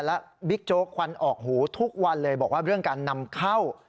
และบิ๊กโจ๊กควันออกหูทุกวันเลยบอกว่าเรื่องการนำเข้า